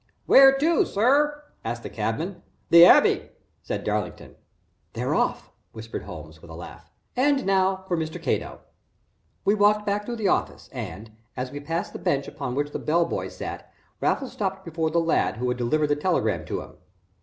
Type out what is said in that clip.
"Where to, sir?" asked the cabman. "The Abbey," said Darlington. "They're off!" whispered Holmes, with a laugh. "And now for Mr. Cato." We walked back through the office, and, as we passed the bench upon which the bell boys sat, Raffles stopped before the lad who had delivered the telegram to him.